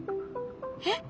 えっ？